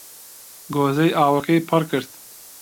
گۆزەی ئاوەکەی پڕ کرد